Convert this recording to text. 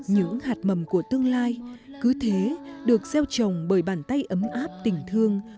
những hạt mầm của tương lai cứ thế được gieo trồng bởi bàn tay ấm áp tình thương